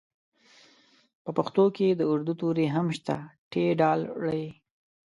په پښتو کې د اردو توري هم شته ټ ډ ړ